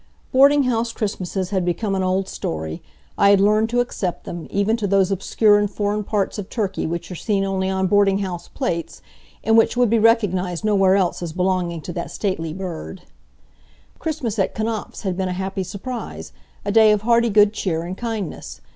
Boarding house Christmases had become an old story. I had learned to accept them, even to those obscure and foreign parts of turkey which are seen only on boarding house plates, and which would be recognized nowhere else as belonging to that stately bird. Christmas at Knapf's had been a happy surprise; a day of hearty good cheer and kindness.